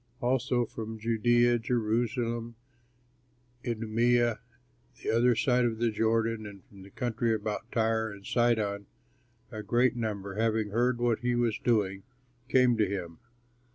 Also from Judea, Jerusalem, Idumea the other side of the Jordan, and from the country about Tyre and Sidon a great number, having heard what he was doing, came to him.